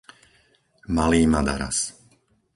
Malý Madaras